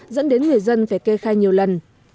dẫn đến người dân phải kê khai nhiều lần